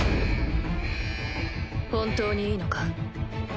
本当にいいのか？